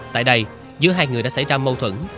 tại đây giữa hai người đã xảy ra mâu thuẫn